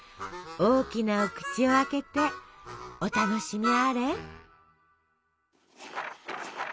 大きなお口を開けてお楽しみあれ。